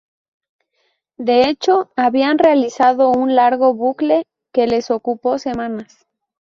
De hecho, habían realizado un largo bucle que les ocupó semanas.